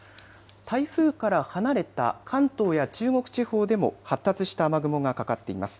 台風から離れた関東や中国地方でも発達した雨雲がかかっています。